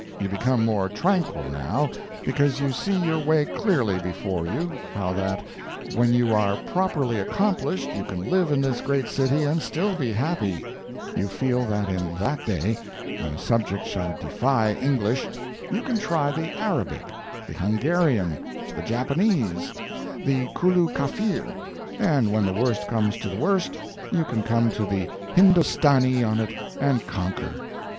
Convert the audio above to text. You become more tranquil, now, because you see your way clearly before you, how that, when you are properly accomplished, you can live in this great city and still be happy; you feel that in that day, when a subject shall defy English, you can try the Arabic, the Hungarian, the Japanese, the Kulu Kaffir, and when the worst comes to the worst, you can come the Hindostanee on it and conquer.